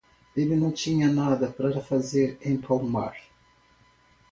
Ele não tinha nada para fazer em Palmar.